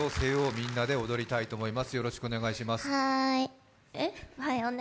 みんなで踊りたいと思います。